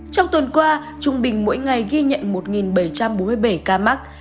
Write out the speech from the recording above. trong tuần qua trung bình mỗi ngày ghi nhận một bảy trăm bốn mươi bảy ca mắc